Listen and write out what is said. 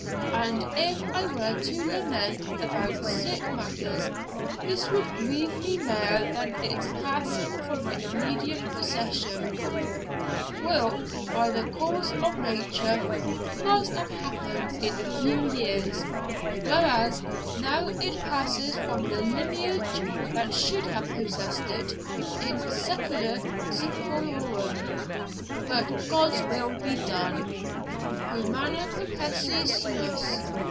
And if I were to lament about sic matters, this would grieve me mair than its passing from my immediate possession, whilk, by the course of nature, must have happened in a few years; whereas now it passes from the lineage that should have possessed it in scecula saculorum. But God's will be done, humana perpessi sumus.